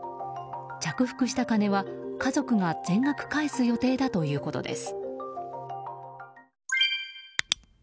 着服した金は、家族が全額返す予定だということです。